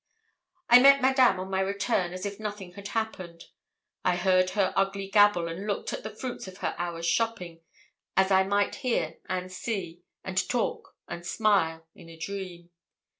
I met Madame on my return as if nothing had happened. I heard her ugly gabble, and looked at the fruits of her hour's shopping, as I might hear, and see, and talk, and smile, in a dream.